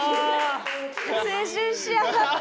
青春しやがって。